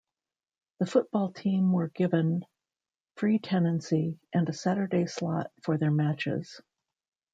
The football team were given free tenancy and a Saturday slot for their matches.